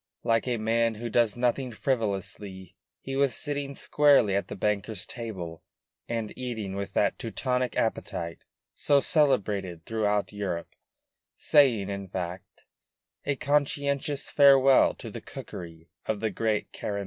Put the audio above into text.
Like a man who does nothing frivolously, he was sitting squarely at the banker's table and eating with that Teutonic appetite so celebrated throughout Europe, saying, in fact, a conscientious farewell to the cookery of the great Careme.